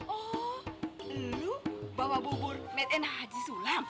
oh lu bawa bubur made in haji sulam